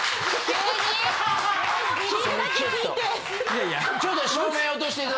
いやいや。